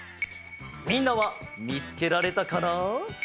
みんなはみつけられたかな？